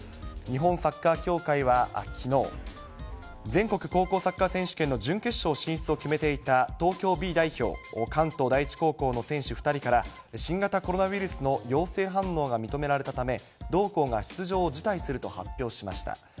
日本サッカー協会はきのう、全国高校サッカー選手権の準決勝進出を決めていた東京Ｂ代表、関東第一高校の選手２人から、新型コロナウイルスの陽性反応が認められたため、同校が出場を辞退すると発表しました。